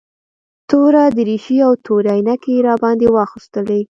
توره دريشي او تورې عينکې يې راباندې واغوستلې.